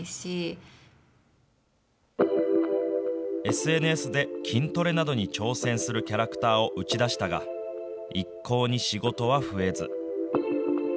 ＳＮＳで筋トレなどに挑戦するキャラクターを打ち出したが、一向に仕事は増えず。